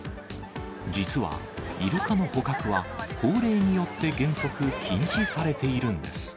実はイルカの捕獲は、法令によって原則禁止されているんです。